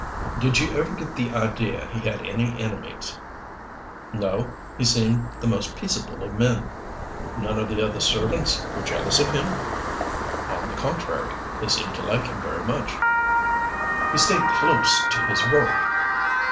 "Did you ever get the idea he had any enemies?" "No. He seemed the most peaceable of men." "None of the other servants were jealous of him?" "On the contrary, they seemed to like him very much." "He stayed close to his work?"